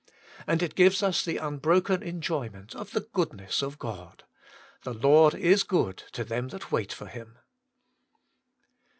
And it gives us the unbroken enjoyment of the goodness of God :' The Lord is good to them that wait for Him.'